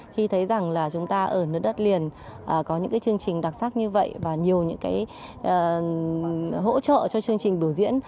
khi thấy rằng là chúng ta ở nước đất liền có những cái chương trình đặc sắc như vậy và nhiều những cái hỗ trợ cho chương trình biểu diễn